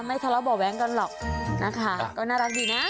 ทะเลาะบ่อแว้งกันหรอกนะคะก็น่ารักดีนะ